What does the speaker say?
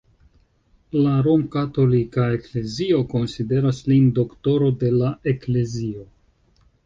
La Romkatolika Eklezio konsideras lin Doktoro de la Eklezio.